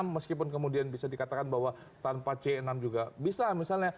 meskipun kemudian bisa dikatakan bahwa tanpa c enam juga bisa misalnya